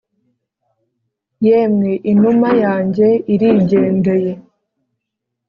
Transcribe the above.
yemwe inuma yanjye irigendeye